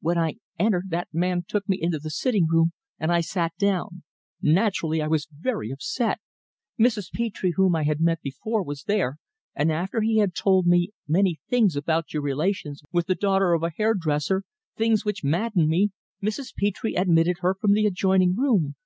"When I entered that man took me into the sitting room, and I sat down. Naturally I was very upset. Mrs. Petre, whom I had met before, was there, and after he had told me many things about your relations with the daughter of a hair dresser things which maddened me Mrs. Petre admitted her from the adjoining room.